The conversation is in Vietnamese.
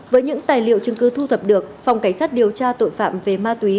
với những tài liệu chứng cứ thu thập được phòng cảnh sát điều tra tội phạm về ma túy